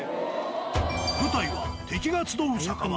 舞台は、敵が集う酒場。